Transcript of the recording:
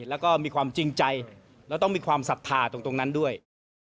แล้วก็มีความจริงใจแล้วต้องมีความศรัทธาตรงนั้นด้วย